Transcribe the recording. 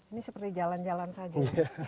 ini seperti jalan jalan saja